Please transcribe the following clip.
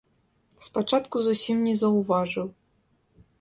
Спачатку зусім не заўважыў.